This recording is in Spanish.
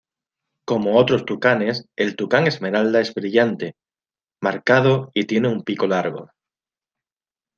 Como otros tucanes, el tucán esmeralda es brillante, marcado y tiene un pico largo.